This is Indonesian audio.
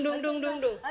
dung dung dung dung